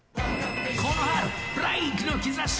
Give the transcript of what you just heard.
この春、ブレークの兆し